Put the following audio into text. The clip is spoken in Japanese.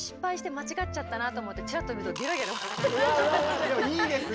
でもいいですね